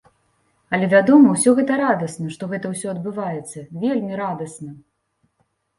Але, вядома, усё гэта радасна, што гэта ўсё адбываецца, вельмі радасна!